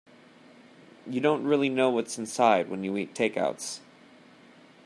You don't really know what's inside when you eat takeouts.